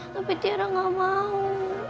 tapi tiara gak mau